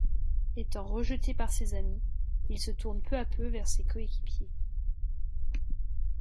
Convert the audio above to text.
Étant rejeté par ses amis, il se tourne peu à peu vers ses coéquipiers.